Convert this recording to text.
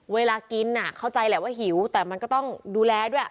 เวลากินเข้าใจแหละว่าหิวแต่มันก็ต้องดูแลด้วย